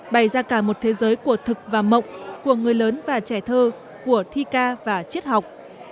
bày ra cả một thế giới của thực và mộng của người lớn và trẻ thơ của thi ca và chiết học